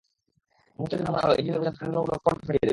মুহূর্তের জন্য মনে হলো ইঞ্জিনের গর্জন তাঁর কানের পর্দা ফাটিয়ে দেবে।